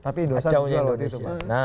tapi dosa itu